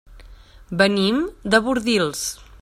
Venim de Bordils.